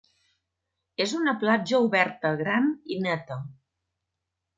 És una platja oberta, gran i neta.